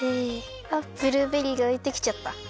あっブルーベリーがういてきちゃった。